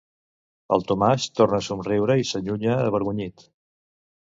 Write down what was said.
El Tomàs torna a somriure i s'allunya avergonyit.